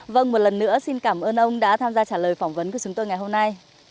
vâng một lần nữa xin cảm ơn ông đã tham gia trả lời phỏng vấn của chúng tôi ngày hôm nay